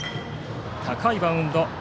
高いバウンド。